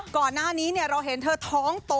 ก่อนหน้านี้เราเห็นเธอท้องโต